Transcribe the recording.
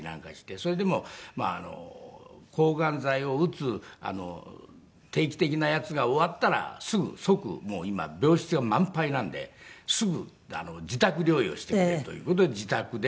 それでも抗がん剤を打つ定期的なやつが終わったらすぐ即今病室が満杯なんですぐ自宅療養してくれという事で自宅で。